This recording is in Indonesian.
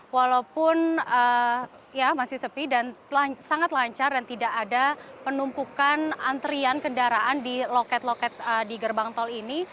walaupun ya masih sepi dan sangat lancar dan tidak ada penumpukan antrian kendaraan di loket loket di gerbang tol ini